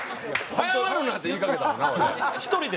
早まるな！って言いかけたもんな俺。